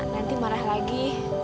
nanti marah lagi